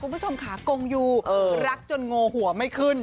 คุณผู้ชมค่ะกงยูรักจนโงหัวไม่ขึ้น